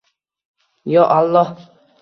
Yo Alloh!